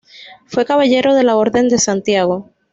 Fue caballero de la Orden de Santiago.